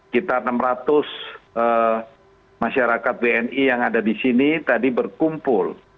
kira kira enam ratus masyarakat bni yang ada di sini tadi berkumpul